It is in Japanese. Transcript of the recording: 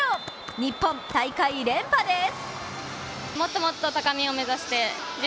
日本、大会連覇です。